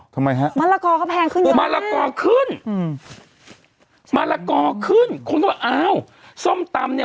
ทำไมฮะมะละก่อก็แพงขึ้นมากมะละก่อขึ้นมะละก่อขึ้นคงที่ว่าเอาส้มตำเนี่ย